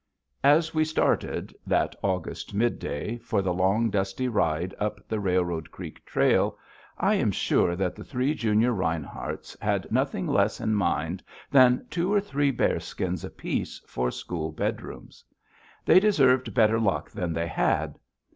As we started, that August midday, for the long, dusty ride up the Railroad Creek Trail, I am sure that the three junior Rineharts had nothing less in mind than two or three bearskins apiece for school bedrooms. They deserved better luck than they had.